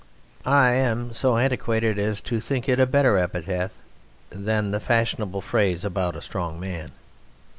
I am so antiquated as to think it a better epitaph than the fashionable phrase about a strong man.